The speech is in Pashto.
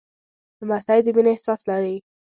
لمسی د مینې احساس لري.